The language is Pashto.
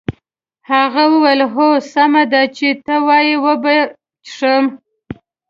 هغه وویل هو سمه ده چې ته وایې وبه یې څښم.